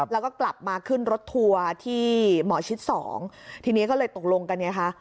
แล้วก็กลับมาขึ้นรถทัวร์ที่หมอชิดสองทีนี้ก็เลยตกลงกันไงคะ